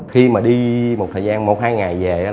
khi mà đi một hai ngày về